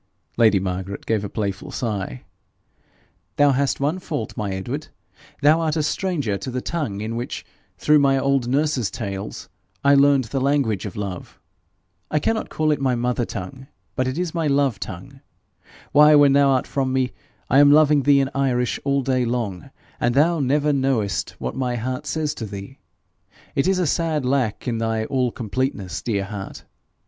Lady Margaret gave a playful sigh. 'Thou hast one fault, my Edward thou art a stranger to the tongue in which, through my old nurse's tales, I learned the language of love. I cannot call it my mother tongue, but it is my love tongue. Why, when thou art from me, I am loving thee in Irish all day long, and thou never knowest what my heart says to thee! It is a sad lack in thy all completeness, dear heart.